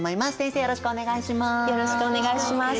よろしくお願いします。